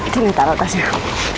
sini taro tasnya